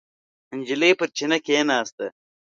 نجلۍ پر چینه کېناسته.